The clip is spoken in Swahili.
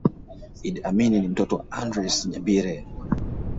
Idi Amin ni mtoto wa Andreas Nyabire